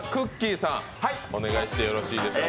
さんお願いしてよろしいでしょうか。